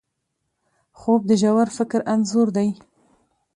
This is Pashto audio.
خوب د ژور فکر انځور دی